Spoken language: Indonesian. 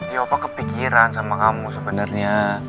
ya opa kepikiran sama kamu sebenarnya